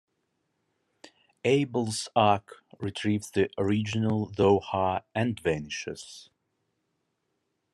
Abel's Ark retrieves the Original Zohar and vanishes.